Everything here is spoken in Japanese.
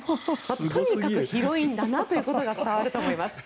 とにかく広いんだなということが伝わると思います。